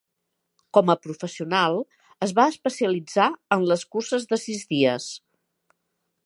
Com a professional es va especialitzar en les curses de sis dies.